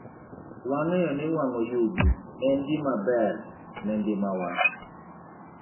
Wang'eyo ni wang'o yugi en gima ber ne ngimawa.